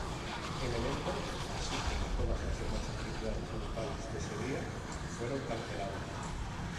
El evento, así como todas las demás actividades grupales de ese día, fueron cancelados.